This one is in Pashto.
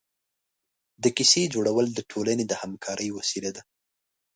د کیسې جوړول د ټولنې د همکارۍ وسیله ده.